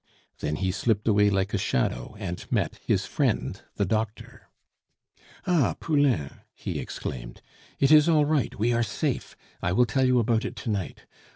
Then he slipped away like a shadow and met his friend the doctor. "Ah, Poulain!" he exclaimed, "it is all right. We are safe! I will tell you about it to night.